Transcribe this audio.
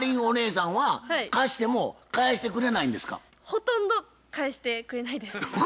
ほとんど返してくれないです。